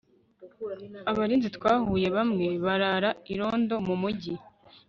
abarinzi twahuye, bamwe barara irondo mu mugi